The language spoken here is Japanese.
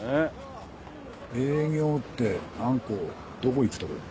営業ってあん子どこ行っとる？